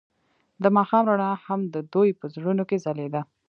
د ماښام رڼا هم د دوی په زړونو کې ځلېده.